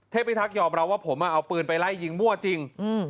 พิทักษ์ยอมรับว่าผมเอาปืนไปไล่ยิงมั่วจริง